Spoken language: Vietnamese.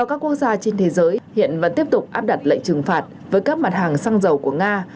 các quốc gia trên thế giới hiện vẫn tiếp tục áp đặt lệnh trừng phạt với các mặt hàng xăng dầu của nga